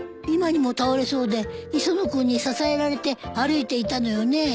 今にも倒れそうで磯野君に支えられて歩いていたのよね？